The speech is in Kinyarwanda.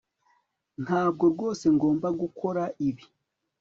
ntabwo rwose ngomba gukora ibi